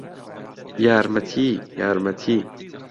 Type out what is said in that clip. یارمەتی! یارمەتی!